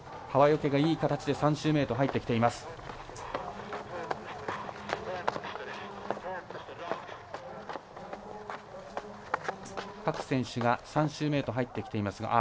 川除がいい形で３周目へと入ってきています。